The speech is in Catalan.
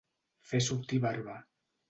Fer sortir barba.